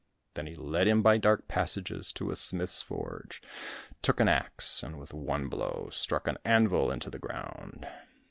Then he led him by dark passages to a smith's forge, took an axe, and with one blow struck an anvil into the ground.